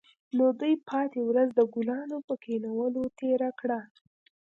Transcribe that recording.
نو دوی پاتې ورځ د ګلانو په کینولو تیره کړه